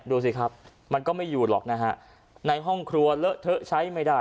ดูสิครับมันก็ไม่อยู่หรอกนะฮะในห้องครัวเลอะเทอะใช้ไม่ได้